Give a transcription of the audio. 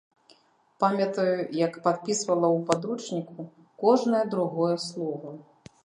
Памятаю, як падпісвала ў падручніку кожнае другое слова.